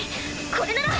これなら！